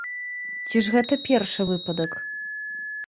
Ці ж гэта першы выпадак?